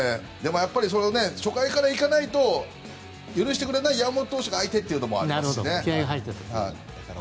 初回からいかないと許してくれない山本投手が相手というのもありましたから。